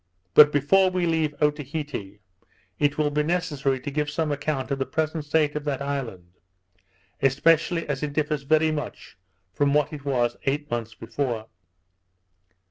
But before we leave Otaheite, it will be necessary to give some account of the present state of that island; especially as it differs very much from what it was eight months before.